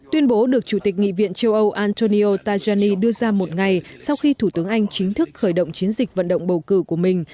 tuyên bố được chủ tịch nghị viện châu âu antonio tajani đưa ra một ngày sau khi thủ tướng anh chính thức khởi động chiến dịch vận động bầu cử của mình